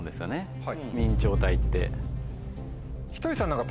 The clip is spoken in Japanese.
はい。